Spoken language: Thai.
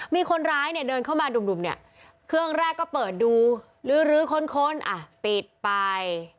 มีคนร้ายเนี่ยเดินเข้ามาดุ่มเนี่ยเครื่องแรกก็เปิดดูลื้อค้นอ่ะปิดไป